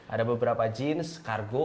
ada beberapa jeans kargo